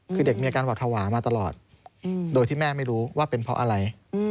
คือเด็กมีอาการหวัดภาวะมาตลอดโดยที่แม่ไม่รู้ว่าเป็นเพราะอะไร